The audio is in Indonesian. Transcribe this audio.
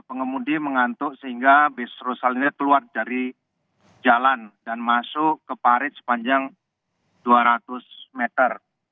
pengemudi mengantuk sehingga bis rusal ini keluar dari jalan dan masuk ke parit sepanjang dua ratus meter